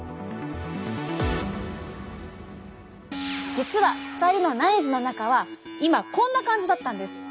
実は２人の内耳の中は今こんな感じだったんです。